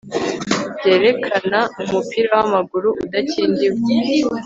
byerekana umupira wamaguru udakingiwe